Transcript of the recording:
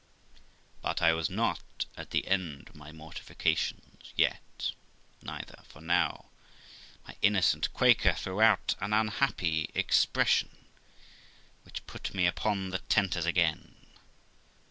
But I was not at the end of my mortifications yet, neither, for now my innocent Quaker threw out an unhappy expression, which put me upon the tenters again.